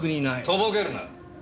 とぼけるな！